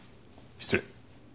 失礼。